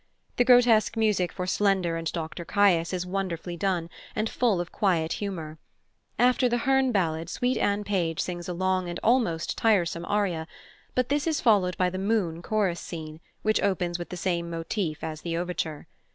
The grotesque music for Slender and Dr Caius is wonderfully done, and full of quiet humour. After the "Herne" ballad Sweet Anne Page sings a long and almost tiresome aria, but this is followed by the Moon chorus scene, which opens with the same motif as the overture.